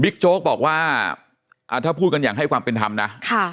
บิ๊กโชคบอกว่าอ่าถ้าพูดกันอย่างให้ความเป็นทำนะค่ะ